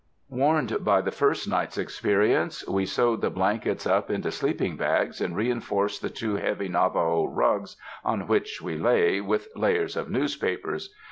Warned by the first night's experience, we sewed the blankets up into sleeping bags and reinforced the two heavy Navajo rugs, on which we lay, with layers of newspapers.